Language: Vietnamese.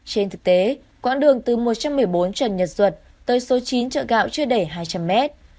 trên thực tế quãng đường từ một trăm một mươi bốn trần nhật duật tới số chín chợ gạo chưa đầy hai trăm linh mét